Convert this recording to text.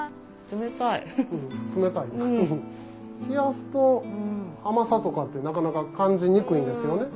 冷やすと甘さとかってなかなか感じにくいんですよね。